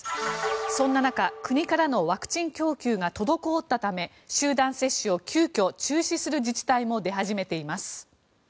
そんな中、国からのワクチン供給が滞ったため集団接種を急きょ中止する自治体も出始めています。